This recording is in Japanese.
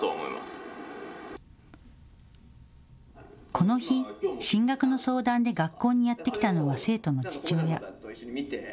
この日、進学の相談で学校にやって来たのは生徒の父親。